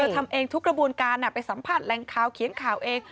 ทำเองทุกกระบวนการไปสัมภาษณ์แหล่งข่าวเขียนข่าวเอง